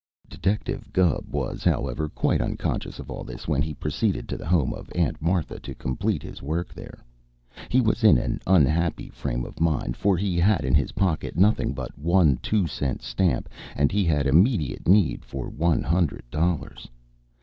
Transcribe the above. Detective Gubb was, however, quite unconscious of all this when he proceeded to the home of Aunt Martha to complete his work there. He was in an unhappy frame of mind, for he had in his pocket nothing but one two cent stamp and he had immediate need for one hundred dollars.